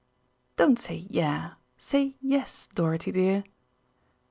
"Don't say 'yeh,' say 'yes,' Dorothy dear."